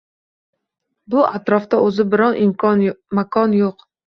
Bu atrofda o‘zi biron makon yo‘q.